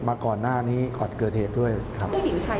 มาก่อนหน้านี้ก่อนเกิดเหตุด้วยครับ